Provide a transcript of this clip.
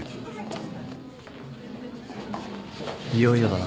いよいよだな。